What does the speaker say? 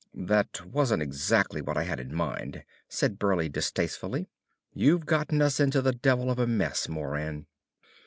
"That wasn't exactly what I had in mind," said Burleigh distastefully. "You've gotten us into the devil of a mess, Moran!"